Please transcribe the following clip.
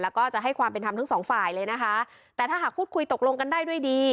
แล้วก็จะให้ความเป็นธรรมทั้งสองฝ่ายเลยนะคะแต่ถ้าหากพูดคุยตกลงกันได้ด้วยดี